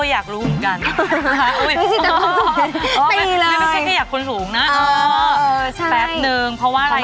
อย่าเว้นแต่ไฟน์อยากรู้เลย